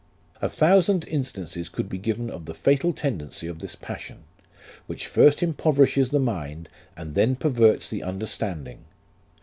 "A thousand instances could be given of the fatal tendency of this passion, which first impoverishes the mind, and then perverts the under standing.